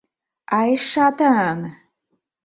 Ай, шатын!